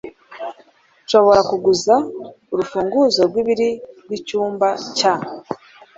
Nshobora kuguza urufunguzo rwibiri rwicyumba cya ?